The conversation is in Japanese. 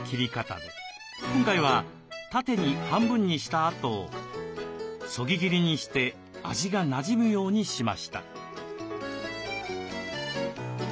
今回は縦に半分にしたあとそぎ切りにして味がなじむようにしました。